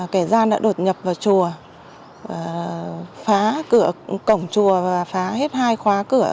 kẻ gian đã đột nhập vào chùa